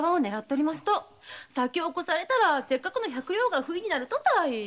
先を越されたらせっかくの百両がふいになるとたい。